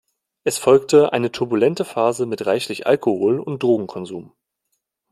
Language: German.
Es folgte eine turbulente Phase mit reichlich Alkohol und Drogenkonsum.